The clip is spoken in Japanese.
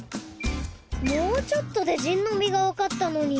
・もうちょっとで「じんのび」がわかったのに。